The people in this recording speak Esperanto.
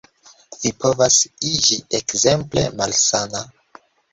Vi povas iĝi ekzemple malsana.